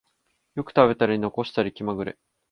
よく食べたり残したり気まぐれ